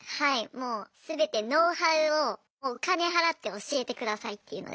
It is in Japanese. もう全てノウハウをお金払って教えてくださいっていうので。